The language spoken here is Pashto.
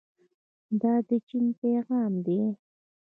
دا د چین پیغام دی.